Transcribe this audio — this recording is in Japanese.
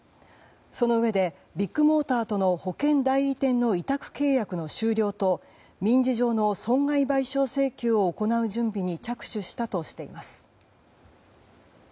そのうえでビッグモーターとの保険代理店の委託契約の終了と民事上の損害賠償請求を行う準備に着手したとしています。